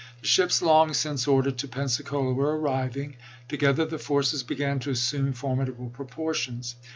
The ships long since ordered to Pensacola were Tj»ir arriving. Together the forces began to assume for ^SS? tSe midable proportions.